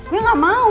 gue gak mau